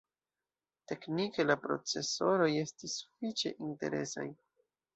Teknike la procesoroj estis sufiĉe interesaj.